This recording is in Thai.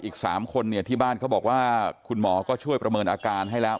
อีก๓คนเนี่ยที่บ้านเขาบอกว่าคุณหมอก็ช่วยประเมินอาการให้แล้ว